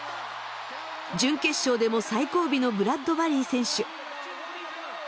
準決勝でも最後尾のブラッドバリー選手。